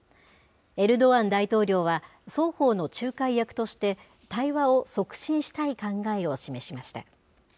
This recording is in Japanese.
エルドアン大統領は、双方の仲介役として対話を促進したい考えを示しました。